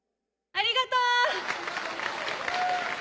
ありがとう！